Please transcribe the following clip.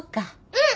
うん！